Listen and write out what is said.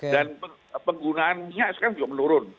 dan penggunaannya juga menurun